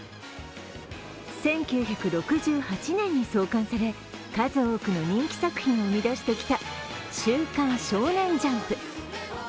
１９６８年に創刊され数多くの人気作品を生み出してきた「週刊少年ジャンプ」。